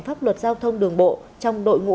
pháp luật giao thông đường bộ trong đội ngũ